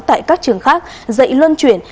tại các trường khác dạy luân chuyển